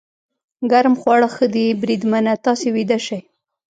ګرم خواړه ښه دي، بریدمنه، تاسې ویده شئ.